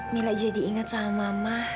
mila jadi ingat sama mama